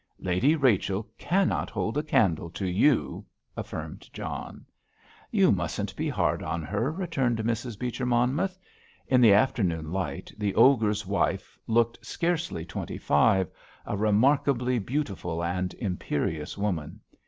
"Lady Rachel cannot hold a candle to you," affirmed John. "You mustn't be hard on her," returned Mrs. Beecher Monmouth. In the afternoon light the "Ogre's" wife looked scarcely twenty five, a remarkably beautiful and imperious woman.